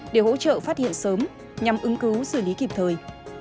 để hỗ trợ phát hiện sớm nhằm ứng cứu xử lý kịp thời